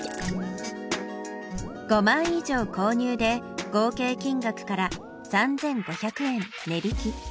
５枚以上購入で合計金額から３５００円値引き。